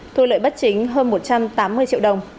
thu lợi bất chính hơn một trăm tám mươi triệu đồng